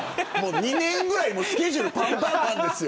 ２年ぐらいスケジュールがぱんぱんなんですよ。